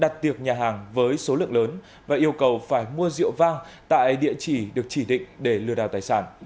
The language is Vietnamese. các nhà hàng đã đặt tiệc nhà hàng với số lượng lớn và yêu cầu phải mua rượu vang tại địa chỉ được chỉ định để lừa đảo tài sản